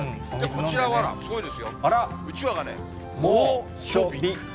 こちらはすごいですよ、うちわがね、猛暑日。